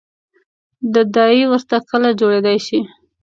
نه دای ورته کله جوړېدای شي.